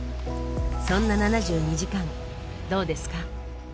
そんな「７２時間」どうですか？